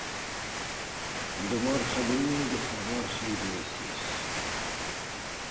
De Borja Domínguez a Borja Iglesias.